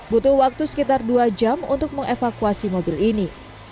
butuh waktu sekitar dua jam untuk mengevakuasi mobil ini